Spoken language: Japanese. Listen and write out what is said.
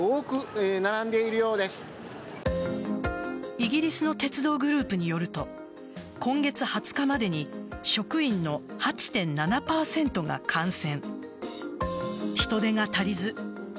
イギリスの鉄道グループによると今月２０日までに職員の８．７％が感染。